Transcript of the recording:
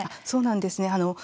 そうなんです。